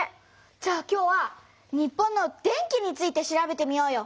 じゃあ今日は日本の電気について調べてみようよ！